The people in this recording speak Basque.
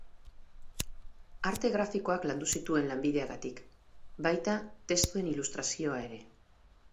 Arte grafikoak landu zituen lanbideagatik, baita, testuen ilustrazioa ere.